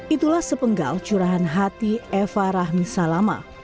itulah sepenggal curahan hati eva rahmi salama